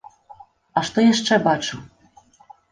А што яшчэ бачыў?